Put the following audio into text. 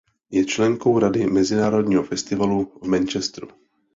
Je členkou Rady Mezinárodního festivalu v Manchesteru.